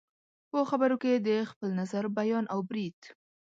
په خبرو کې د خپل نظر بیان او برید